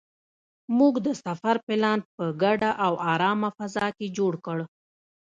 موږ د سفر پلان په ګډه او ارامه فضا کې جوړ کړ.